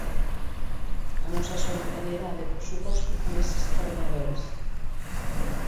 A nosa solidariedade, por suposto, con eses traballadores.